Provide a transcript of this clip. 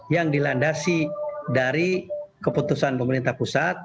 yang dilandasi dari keputusan pemerintah pusat